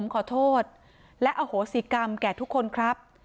ขอโทษและอโหสิกรรมแก่ทุกคนครับ